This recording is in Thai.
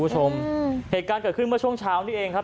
คุณผู้ชมเหตุการณ์เกิดขึ้นเมื่อช่วงเช้านี้เองครับ